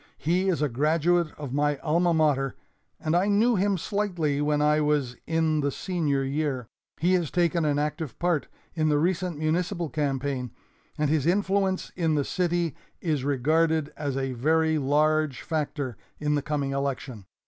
He is a graduate of my alma mater and I knew him slightly when I was in the senior year. He has taken an active part in the recent municipal campaign, and his influence in the city is regarded as a very large factor in the coming election.